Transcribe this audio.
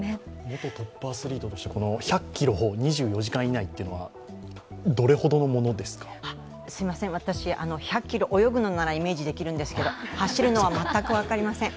元トップアスリートとして１００ｋｍを２４時間以内というのは私、１００ｋｍ泳ぐのならイメージできるんですけど、走るのは全く分かりません！